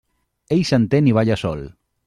Ell s'entén i balla sol.